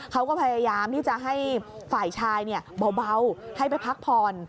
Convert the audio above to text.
เขาก็พยายามที่จะให้ฝ่ายชายเบาให้ไปพักผ่อน